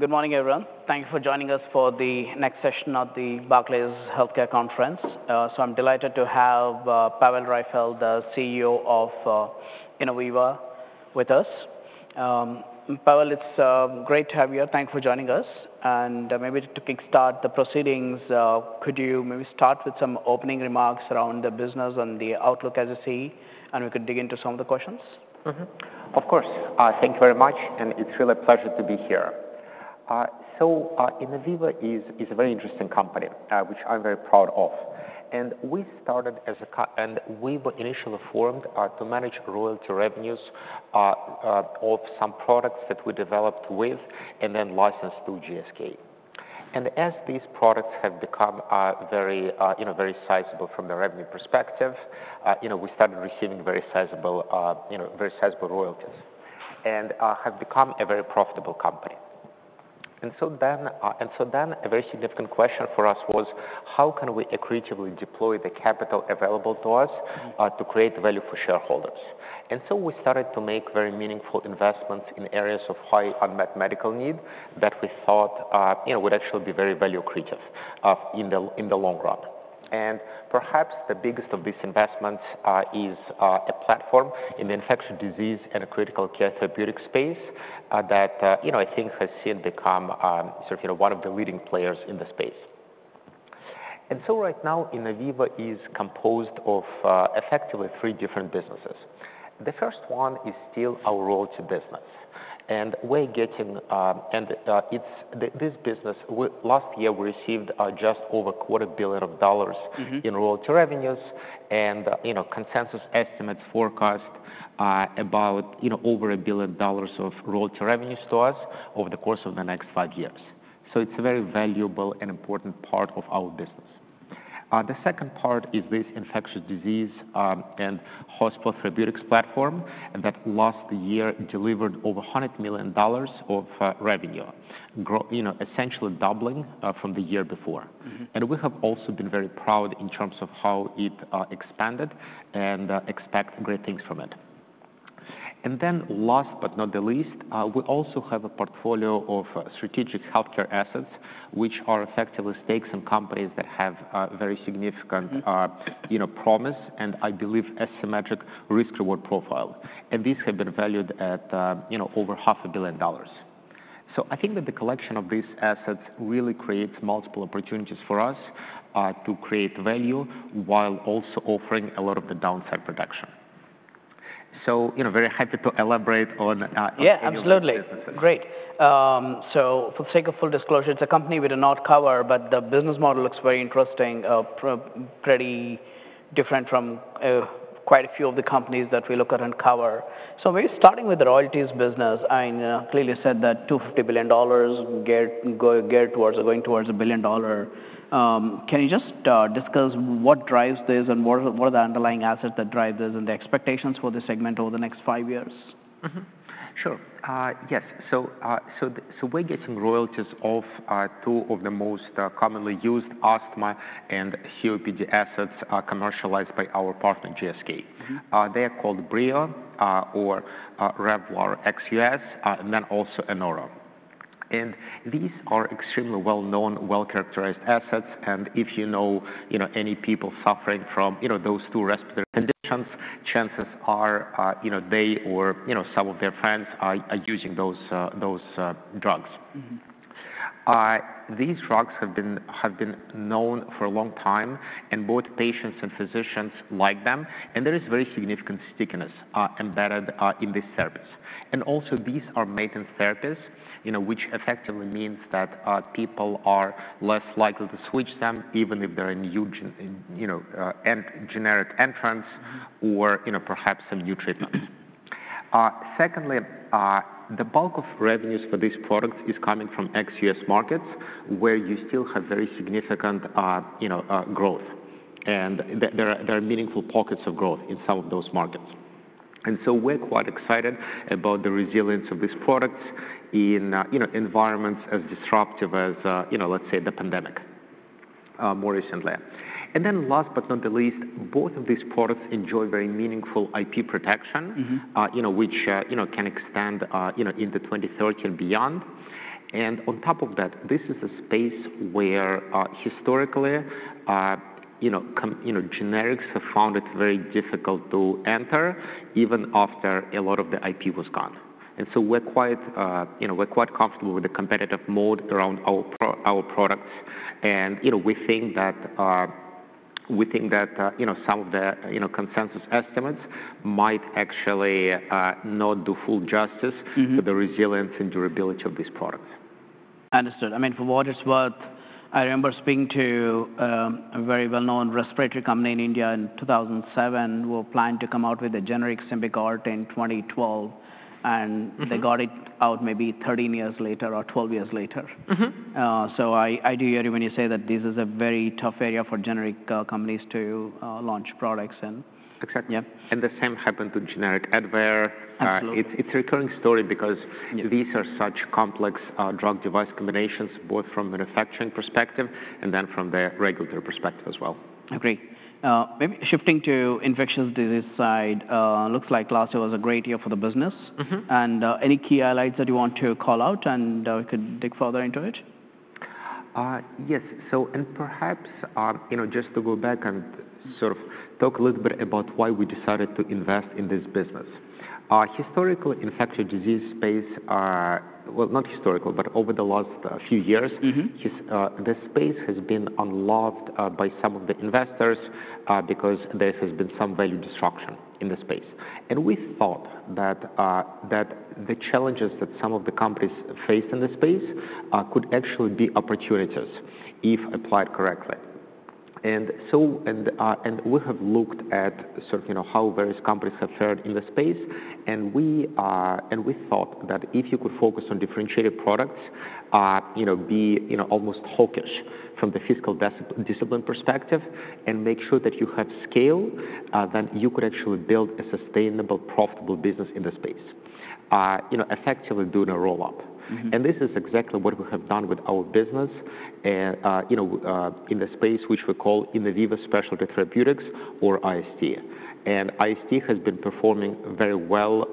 Good morning, everyone. Thank you for joining us for the next session of the Barclays Healthcare Conference. I'm delighted to have Pavel Raifeld, the CEO of Innoviva, with us. Pavel, it's great to have you. Thank you for joining us. Maybe to kickstart the proceedings, could you maybe start with some opening remarks around the business and the outlook as you see, and we could dig into some of the questions? Of course. Thank you very much. It is really a pleasure to be here. Innoviva is a very interesting company, which I am very proud of. We started as a company, and we were initially formed to manage royalty revenues of some products that we developed with and then licensed to GSK. As these products have become very sizable from the revenue perspective, we started receiving very sizable royalties and have become a very profitable company. A very significant question for us was, how can we creatively deploy the capital available to us to create value for shareholders? We started to make very meaningful investments in areas of high unmet medical need that we thought would actually be very value creative in the long run. Perhaps the biggest of these investments is a platform in the infectious disease and critical care therapeutic space that I think has seen become sort of one of the leading players in the space. Right now, Innoviva is composed of effectively three different businesses. The first one is still our royalty business. This business, last year, we received just over a quarter billion dollars in royalty revenues. Consensus estimates forecast about over $1 billion of royalty revenues to us over the course of the next five years. It is a very valuable and important part of our business. The second part is this infectious disease and hospital therapeutics platform that last year delivered over $100 million of revenue, essentially doubling from the year before. We have also been very proud in terms of how it expanded and expect great things from it. Last but not the least, we also have a portfolio of strategic healthcare assets, which are effectively stakes in companies that have very significant promise and, I believe, asymmetric risk-reward profile. These have been valued at over $0.5 billion. I think that the collection of these assets really creates multiple opportunities for us to create value while also offering a lot of the downside protection. Very happy to elaborate on. Yeah, absolutely. Great. For the sake of full disclosure, it's a company we do not cover, but the business model looks very interesting, pretty different from quite a few of the companies that we look at and cover. Maybe starting with the royalties business, I clearly said that $250 million going towards $1 billion. Can you just discuss what drives this and what are the underlying assets that drive this and the expectations for this segment over the next five years? Sure. Yes. We're getting royalties off two of the most commonly used asthma and COPD assets commercialized by our partner, GSK. They are called BREO or RELVAR ex-U.S., and then also ANORO. These are extremely well-known, well-characterized assets. If you know any people suffering from those two respiratory conditions, chances are they or some of their friends are using those drugs. These drugs have been known for a long time, and both patients and physicians like them. There is very significant stickiness embedded in these therapies. Also, these are maintenance therapies, which effectively means that people are less likely to switch them, even if there are generic entrants or perhaps some new treatments. Secondly, the bulk of revenues for these products is coming from ex-U.S. markets, where you still have very significant growth. There are meaningful pockets of growth in some of those markets. We're quite excited about the resilience of these products in environments as disruptive as, let's say, the pandemic more recently. Last but not least, both of these products enjoy very meaningful IP protection, which can extend into 2030 and beyond. On top of that, this is a space where historically, generics have found it very difficult to enter, even after a lot of the IP was gone. We're quite comfortable with the competitive moat around our products. We think that some of the consensus estimates might actually not do full justice to the resilience and durability of these products. Understood. I mean, for what it's worth, I remember speaking to a very well-known respiratory company in India in 2007 who were planning to come out with a generic Symbicort in 2012. They got it out maybe 13 years later or 12 years later. I do hear you when you say that this is a very tough area for generic companies to launch products. Exactly. The same happened with generic Advair. It's a recurring story because these are such complex drug-device combinations, both from a manufacturing perspective and then from the regulatory perspective as well. Agree. Maybe shifting to the infectious disease side, it looks like last year was a great year for the business. Any key highlights that you want to call out and we could dig further into it? Yes. Perhaps just to go back and sort of talk a little bit about why we decided to invest in this business. Historically, the infectious disease space, not historically, but over the last few years, this space has been unloved by some of the investors because there has been some value destruction in the space. We thought that the challenges that some of the companies face in the space could actually be opportunities if applied correctly. We have looked at how various companies have fared in the space. We thought that if you could focus on differentiated products, be almost hawkish from the fiscal discipline perspective, and make sure that you have scale, then you could actually build a sustainable, profitable business in the space, effectively doing a roll-up. This is exactly what we have done with our business in the space, which we call Innoviva Specialty Therapeutics or IST. IST has been performing very well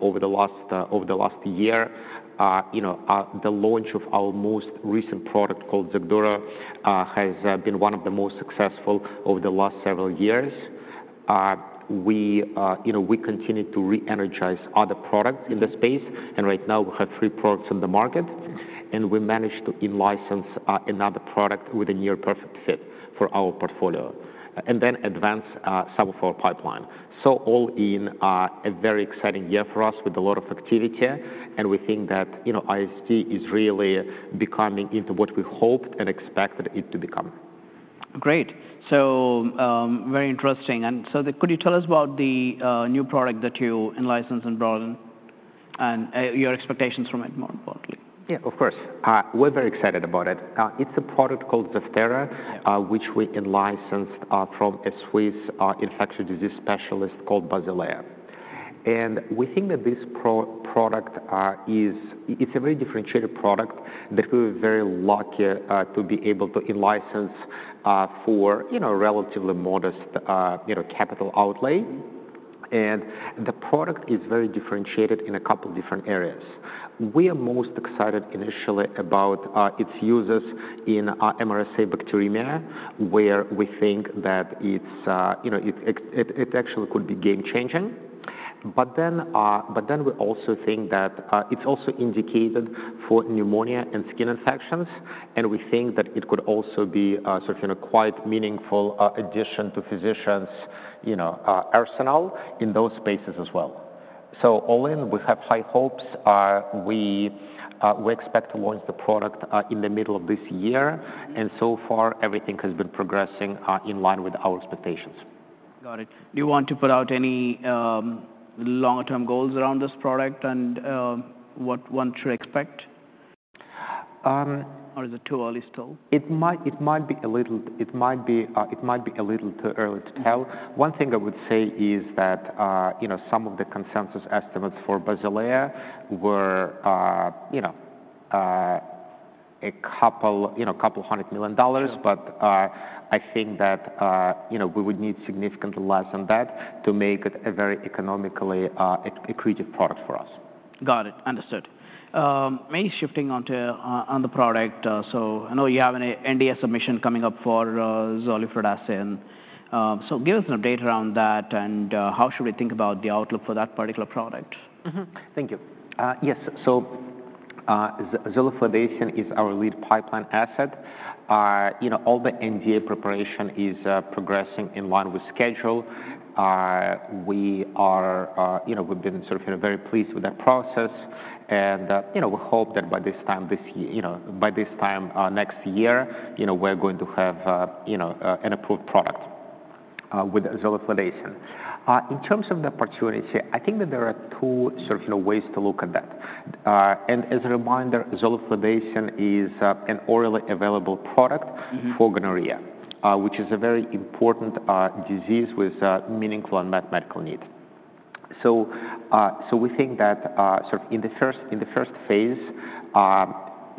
over the last year. The launch of our most recent product called ZEVTERA has been one of the most successful over the last several years. We continue to re-energize other products in the space. Right now, we have three products on the market. We managed to license another product with a near-perfect fit for our portfolio and then advance some of our pipeline. All in, a very exciting year for us with a lot of activity. We think that IST is really becoming into what we hoped and expected it to become. Great. Very interesting. Could you tell us about the new product that you licensed and brought in and your expectations from it more broadly? Yeah, of course. We're very excited about it. It's a product called ZEVTERA, which we licensed from a Swiss infectious disease specialist called Basilea. We think that this product is a very differentiated product that we were very lucky to be able to license for a relatively modest capital outlay. The product is very differentiated in a couple of different areas. We are most excited initially about its uses in MRSA bacteremia, where we think that it actually could be game-changing. We also think that it's also indicated for pneumonia and skin infections. We think that it could also be a quite meaningful addition to physicians' arsenal in those spaces as well. All in, we have high hopes. We expect to launch the product in the middle of this year. So far, everything has been progressing in line with our expectations. Got it. Do you want to put out any longer-term goals around this product and what one should expect? Or is it too early still? It might be a little too early to tell. One thing I would say is that some of the consensus estimates for Basilea were a couple of hundred million dollars. I think that we would need significantly less than that to make it a very economically creative product for us. Got it. Understood. Maybe shifting onto the product. I know you have an NDA submission coming up for zoliflodacin. Give us an update around that. How should we think about the outlook for that particular product? Thank you. Yes. zoliflodacin is our lead pipeline asset. All the NDA preparation is progressing in line with schedule. We've been very pleased with that process. We hope that by this time next year, we're going to have an approved product with zoliflodacin. In terms of the opportunity, I think that there are two ways to look at that. As a reminder, zoliflodacin is an orally available product for gonorrhea, which is a very important disease with meaningful unmet medical need. We think that in the first phase,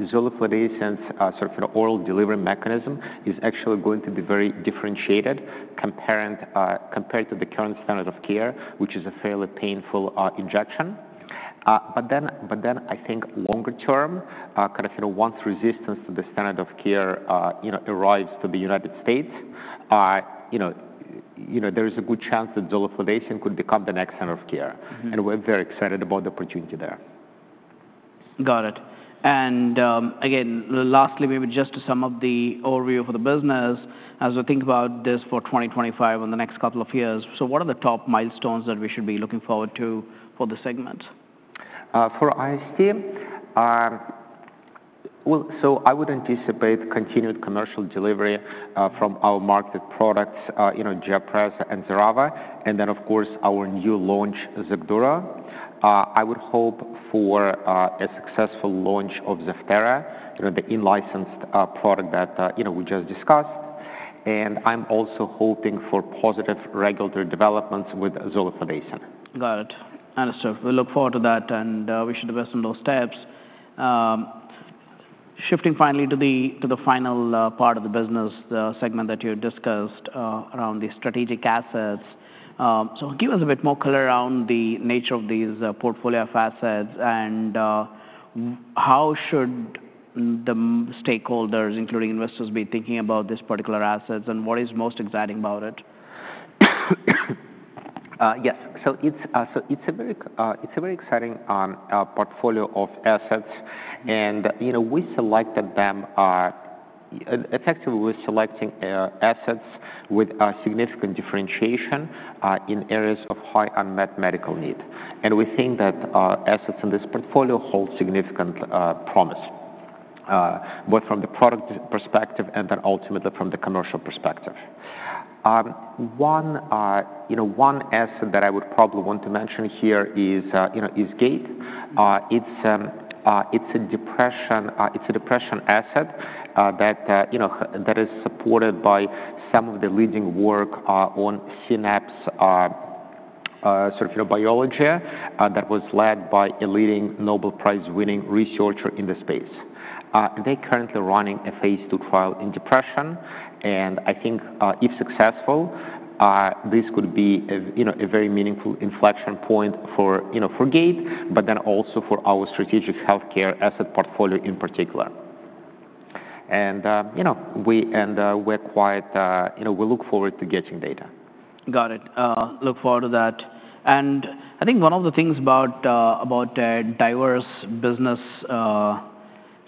zoliflodacin's oral delivery mechanism is actually going to be very differentiated compared to the current standard of care, which is a fairly painful injection. I think longer term, once resistance to the standard of care arrives to the United States, there is a good chance that zoliflodacin could become the next standard of care. We are very excited about the opportunity there. Got it. Lastly, maybe just to sum up the overview for the business, as we think about this for 2025 and the next couple of years, what are the top milestones that we should be looking forward to for the segment? For IST, I would anticipate continued commercial delivery from our market products, XACDURO and XERAVA, and, of course, our new launch XACDURO. I would hope for a successful launch of ZEVTERA, the in-licensed product that we just discussed. I am also hoping for positive regulatory developments with zoliflodacin. Got it. Understood. We look forward to that. We should do the best on those steps. Shifting finally to the final part of the business, the segment that you discussed around these strategic assets. Give us a bit more color around the nature of these portfolio of assets. How should the stakeholders, including investors, be thinking about these particular assets? What is most exciting about it? Yes. It is a very exciting portfolio of assets. We selected them effectively with selecting assets with significant differentiation in areas of high unmet medical need. We think that assets in this portfolio hold significant promise, both from the product perspective and ultimately from the commercial perspective. One asset that I would probably want to mention here is Gate. It is a depression asset that is supported by some of the leading work on synapse biology that was led by a leading Nobel Prize-winning researcher in the space. They are currently running a phase two trial in depression. I think if successful, this could be a very meaningful inflection point for Gate, but also for our strategic healthcare asset portfolio in particular. We look forward to getting data. Got it. Look forward to that. I think one of the things about a diverse business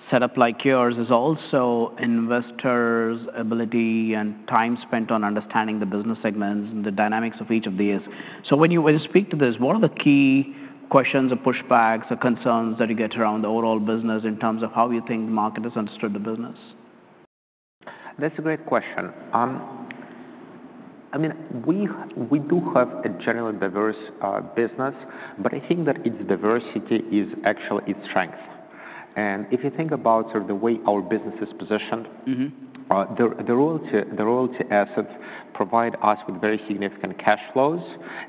setup like yours is also investors' ability and time spent on understanding the business segments and the dynamics of each of these. When you speak to this, what are the key questions or pushbacks or concerns that you get around the overall business in terms of how you think the market has understood the business? That's a great question. I mean, we do have a generally diverse business. I think that its diversity is actually its strength. If you think about the way our business is positioned, the royalty assets provide us with very significant cash flows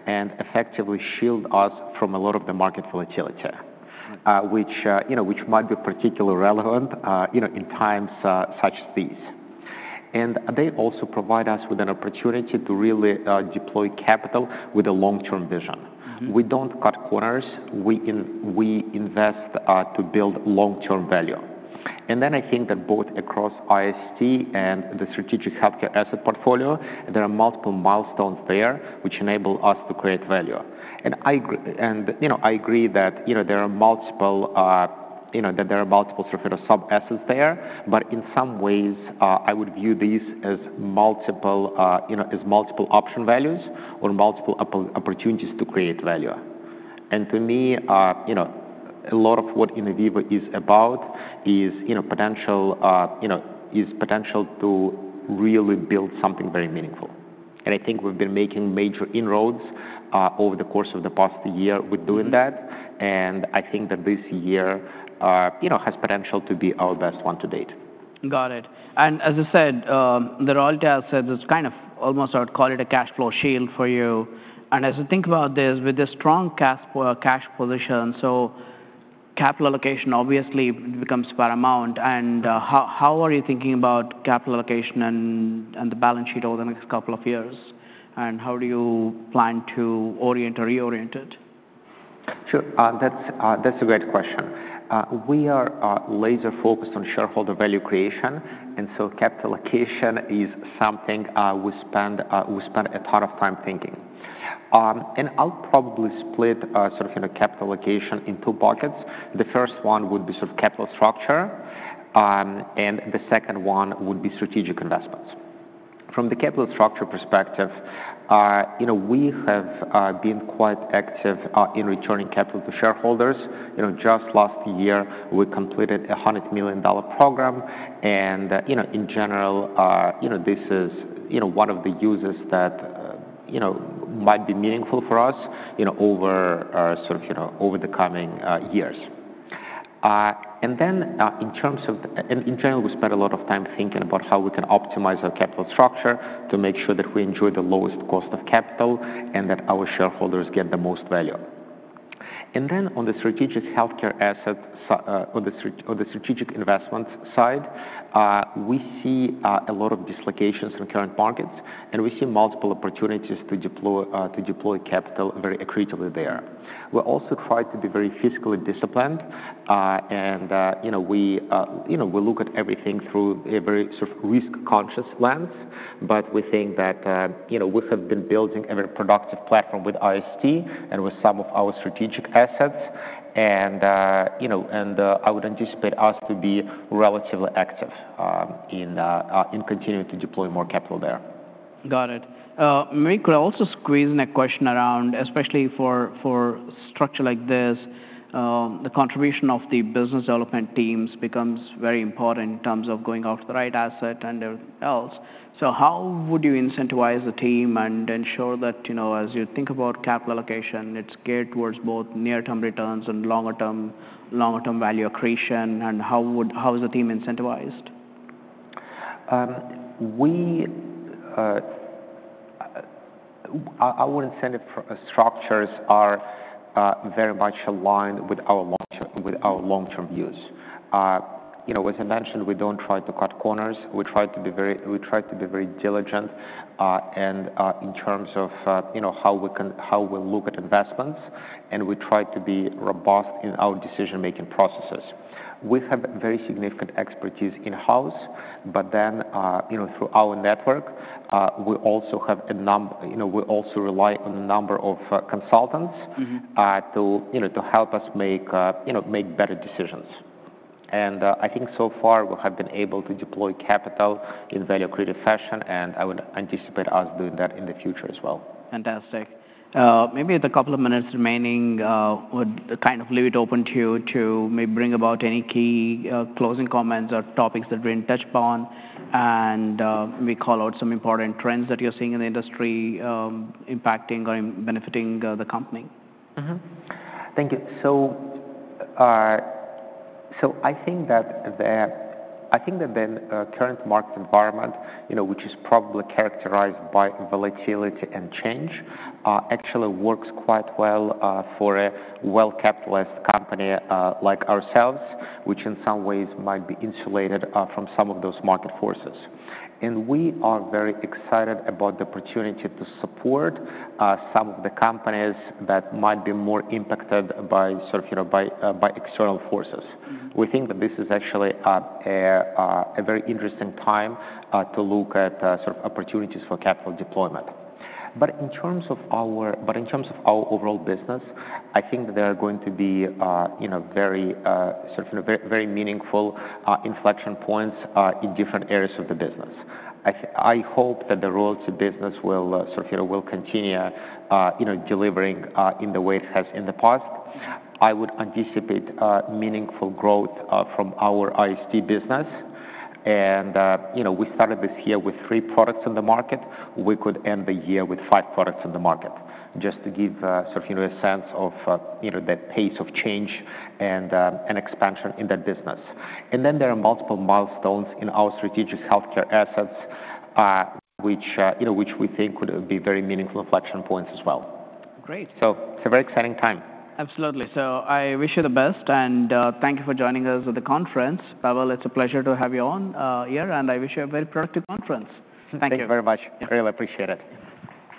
and effectively shield us from a lot of the market volatility, which might be particularly relevant in times such as these. They also provide us with an opportunity to really deploy capital with a long-term vision. We don't cut corners. We invest to build long-term value. I think that both across IST and the strategic healthcare asset portfolio, there are multiple milestones there which enable us to create value. I agree that there are multiple sub-assets there. In some ways, I would view these as multiple option values or multiple opportunities to create value. To me, a lot of what Innoviva is about is potential to really build something very meaningful. I think we've been making major inroads over the course of the past year with doing that. I think that this year has potential to be our best one to date. Got it. As you said, the royalty assets is kind of almost, I would call it a cash flow shield for you. As you think about this with this strong cash position, capital allocation obviously becomes paramount. How are you thinking about capital allocation and the balance sheet over the next couple of years? How do you plan to orient or reorient it? Sure. That's a great question. We are laser-focused on shareholder value creation. Capital allocation is something we spend a ton of time thinking. I'll probably split capital allocation into two buckets. The first one would be capital structure. The second one would be strategic investments. From the capital structure perspective, we have been quite active in returning capital to shareholders. Just last year, we completed a $100 million program. In general, this is one of the uses that might be meaningful for us over the coming years. In general, we spent a lot of time thinking about how we can optimize our capital structure to make sure that we enjoy the lowest cost of capital and that our shareholders get the most value. On the strategic healthcare asset, on the strategic investments side, we see a lot of dislocations in current markets. We see multiple opportunities to deploy capital very accretively there. We also try to be very fiscally disciplined. We look at everything through a very risk-conscious lens. We think that we have been building a very productive platform with IST and with some of our strategic assets. I would anticipate us to be relatively active in continuing to deploy more capital there. Got it. Maybe could I also squeeze in a question around, especially for structure like this, the contribution of the business development teams becomes very important in terms of going out to the right asset and everything else. How would you incentivize the team and ensure that as you think about capital allocation, it's geared towards both near-term returns and longer-term value accretion? How is the team incentivized? I wouldn't say that structures are very much aligned with our long-term views. As I mentioned, we don't try to cut corners. We try to be very diligent in terms of how we look at investments. We try to be robust in our decision-making processes. We have very significant expertise in-house. Through our network, we also rely on a number of consultants to help us make better decisions. I think so far, we have been able to deploy capital in a value-created fashion. I would anticipate us doing that in the future as well. Fantastic. Maybe the couple of minutes remaining would kind of leave it open to you to maybe bring about any key closing comments or topics that we did not touch upon. Maybe call out some important trends that you are seeing in the industry impacting or benefiting the company. Thank you. I think that the current market environment, which is probably characterized by volatility and change, actually works quite well for a well-capitalized company like ourselves, which in some ways might be insulated from some of those market forces. We are very excited about the opportunity to support some of the companies that might be more impacted by external forces. We think that this is actually a very interesting time to look at opportunities for capital deployment. In terms of our overall business, I think that there are going to be very meaningful inflection points in different areas of the business. I hope that the royalty business will continue delivering in the way it has in the past. I would anticipate meaningful growth from our IST business. We started this year with three products on the market. We could end the year with five products on the market, just to give a sense of the pace of change and expansion in that business. There are multiple milestones in our strategic healthcare assets, which we think would be very meaningful inflection points as well. Great. It is a very exciting time. Absolutely. I wish you the best. Thank you for joining us at the conference. Pavel, it's a pleasure to have you on here. I wish you a very productive conference. Thank you very much. Really appreciate it.